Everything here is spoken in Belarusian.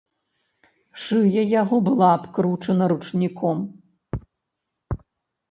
Шыя яго была абкручана ручніком.